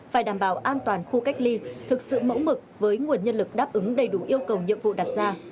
phải đảm bảo an toàn khu cách ly thực sự mẫu mực với nguồn nhân lực đáp ứng đầy đủ yêu cầu nhiệm vụ đặt ra